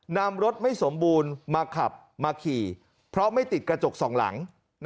นำรถไม่สมบูรณ์มาขับมาขี่เพราะไม่ติดกระจกสองหลัง